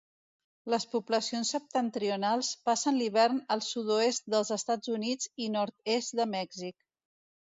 Les poblacions septentrionals passen l'hivern al sud-oest dels Estats Units i nord-est de Mèxic.